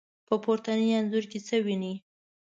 په پورتني انځور کې څه وينئ؟